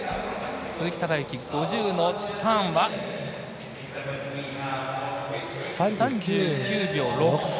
鈴木孝幸、５０のターンは３９秒６３。